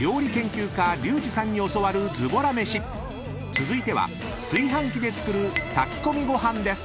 ［続いては炊飯器で作る炊き込みご飯です］